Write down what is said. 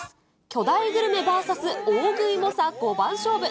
巨大グルメＶＳ大食い猛者５番勝負。